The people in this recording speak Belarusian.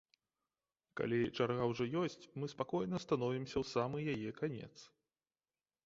Калі чарга ўжо ёсць, мы спакойна становімся ў самы яе канец.